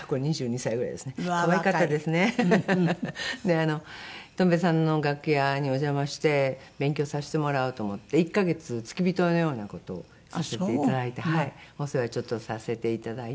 あのとん平さんの楽屋にお邪魔して勉強させてもらおうと思って１カ月付き人のような事をさせていただいてお世話ちょっとさせていただいて。